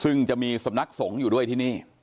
ซึ่งจะมีสำนักสงฆ์อยู่ด้วยที่นี่